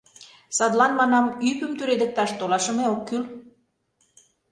Садлан, манам, ӱпым тӱредыкташ толашыме ок кӱл.